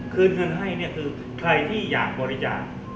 คืนเงินให้เนี่ยคือใครที่อยากบริจาค